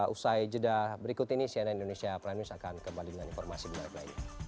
usai jeda berikut ini cnn indonesia prime news akan kembali dengan informasi menarik lainnya